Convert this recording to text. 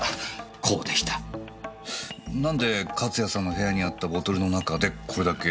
何で勝谷さんの部屋にあったボトルの中でこれだけ。